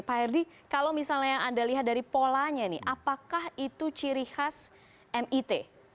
pak herdi kalau misalnya anda lihat dari polanya apakah itu ciri khas mit